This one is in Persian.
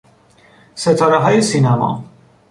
ستارههای سینما